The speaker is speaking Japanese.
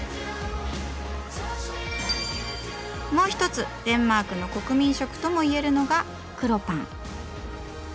もう一つデンマークの国民食とも言えるのが黒パン。